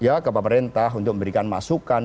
ya ke pemerintah untuk memberikan masukan